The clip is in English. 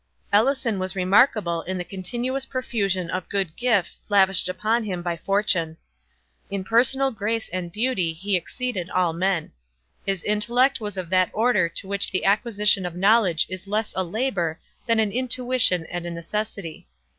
Ellison was remarkable in the continuous profusion of good gifts lavished upon him by fortune. In personal grace and beauty he exceeded all men. His intellect was of that order to which the acquisition of knowledge is less a labor than an intuition and a necessity.